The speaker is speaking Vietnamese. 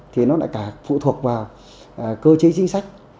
thì nó lại cả phụ thuộc vào cơ chế chính sách